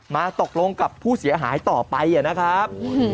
มาตกลงกับผู้เสียหายต่อไปนะครับ